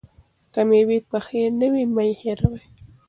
که مېوې پخې نه وي، مه یې خورئ.